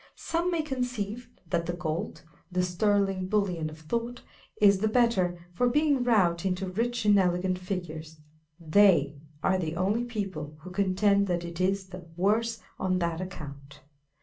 Some may conceive that the gold, the sterling bullion of thought, is the better for being wrought into rich and elegant figures ; they are the only people who contend that it is the worse on that account.